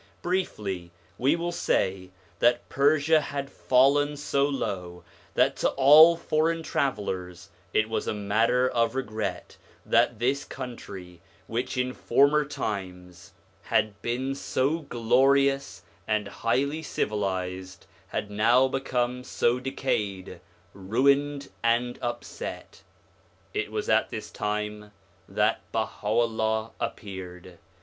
Briefly, we will say that Persia had fallen so low that to all foreign travellers it was a matter of regret that this country, which in former times had been so glorious and highly civilised, had now become so decayed, ruined, and upset. It was at this time that Baha'u'llah appeared.